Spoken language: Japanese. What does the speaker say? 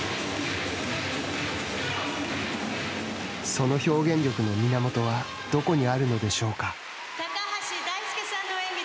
その表現力の源はどこにあるのでしょうか？